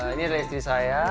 ini adalah istri saya